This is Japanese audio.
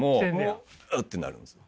「うっ！」ってなるんですよ。